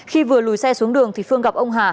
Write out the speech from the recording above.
khi vừa lùi xe xuống đường thì phương gặp ông hà